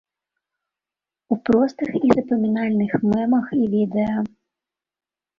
У простых і запамінальных мемах і відэа.